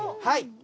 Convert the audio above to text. はい。